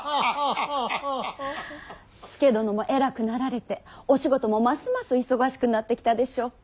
佐殿も偉くなられてお仕事もますます忙しくなってきたでしょう。